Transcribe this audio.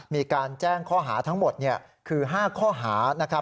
มีการแจ้งข้อหาทั้งหมดคือ๕ข้อหานะครับ